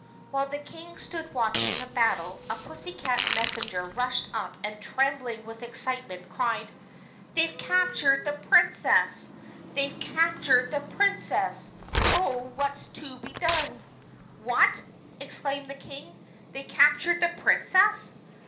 While the King stood watching the battle a pussycat mes senger rushed up and, trembling with excitement, cried: "They ' ve captured the Princess ! They 've captured the Prin cess ! Oh, what 's to be done?" "What!" exclaimed the King. "They captured the Prin cess?"